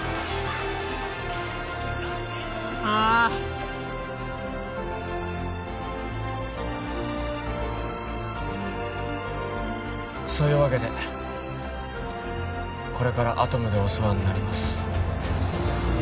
ああそういうわけでこれからアトムでお世話になります